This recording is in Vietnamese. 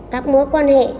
các mối quan hệ